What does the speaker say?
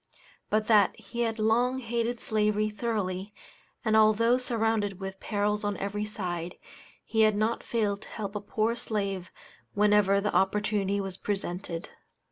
But that he had long hated slavery thoroughly, and although surrounded with perils on every side, he had not failed to help a poor slave whenever the opportunity was presented.